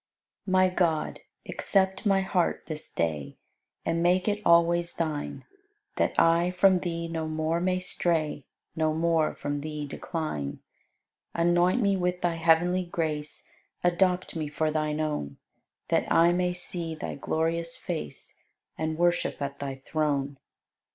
My God, accept my heart this day And make it always Thine, That I from Thee no more may stray, No more from Thee decline. Anoint me with Thy heavenly grace, Adopt me for Thine own, That I may see Thy glorious face And worship at Thy throne.